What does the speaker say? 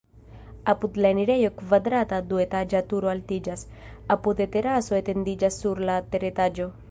Apud la enirejo kvadrata duetaĝa turo altiĝas, apude teraso etendiĝas sur la teretaĝo.